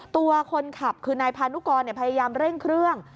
ตัวคนขับคือนายพานุกรพยายามเร่งเครื่อง